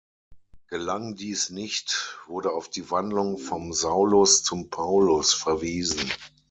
Gelang dies nicht, wurde auf die Wandlung vom „Saulus“ zum „Paulus“ verwiesen.